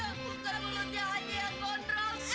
aku taruh mulutnya aja ya gondrong